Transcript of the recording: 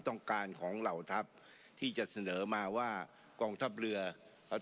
ต้องการของเหล่าทัพที่จะเสนอมาว่ากองทัพเรืออ่า